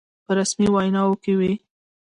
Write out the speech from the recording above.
په رسمي ویناوو کې وي.